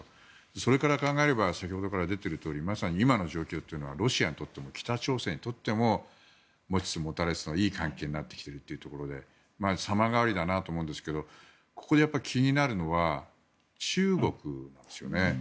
それから考えれば先ほどから出ているようにまさに今の状況というのはロシアにとっても北朝鮮にとっても持ちつ持たれつのいい関係になってきているということで様変わりだなと思うんですがここで気になるのは中国ですよね。